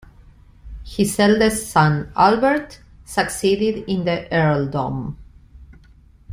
His eldest son Albert succeeded in the earldom.